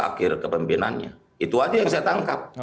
akhir kepemimpinannya itu aja yang saya tangkap